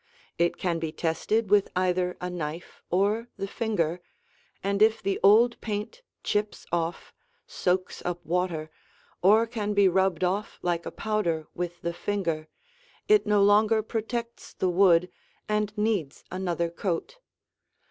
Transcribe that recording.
It can be tested with either a knife or the finger, and if the old paint chips off, soaks up water, or can be rubbed off like a powder with the finger, it no longer protects the wood and needs another coat.